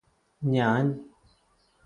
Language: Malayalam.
ഞാന്